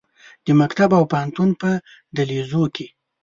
د مکتب او پوهنتون په دهلیزو کې